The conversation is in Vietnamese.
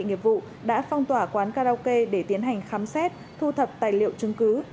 nghiệp vụ đã phong tỏa quán karaoke để tiến hành khám xét thu thập tài liệu chứng cứ